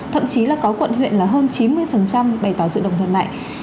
thậm chí là có quận huyện là hơn chín mươi bày tỏ sự đồng thuận này